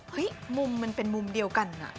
เฮ้ยมุมมันเป็นมุมเดียวกันอ่ะ